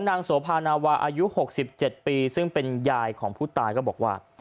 นางสวพานาวาอายุหกสิบเจ็ดปีซึ่งเป็นยายของผู้ตายก็บอกว่า